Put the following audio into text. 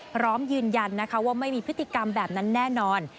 พร้อมยืนยันนะคะว่าไม่มีพฤติกรรมแบบนั้นแน่นอน